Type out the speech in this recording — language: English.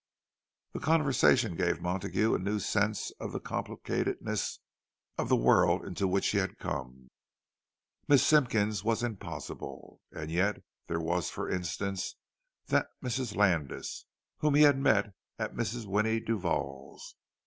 This conversation gave Montague a new sense of the complicatedness of the world into which he had come. Miss Simpkins was "impossible"; and yet there was—for instance—that Mrs. Landis whom he had met at Mrs. Winnie Duval's.